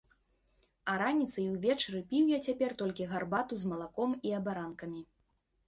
А раніцай і ўвечары піў я цяпер толькі гарбату з малаком і абаранкамі.